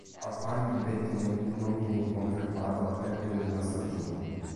Al pari di Bettinelli non viene riconfermato al termine della stagione.